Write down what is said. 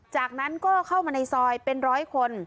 จากนั้นก็เข้ามาในซอยเป็นร้อยคน